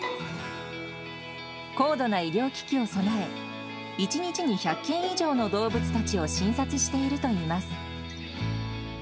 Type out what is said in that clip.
高度な医療機器を備え、１日に１００件以上の動物たちを診察しているといいます。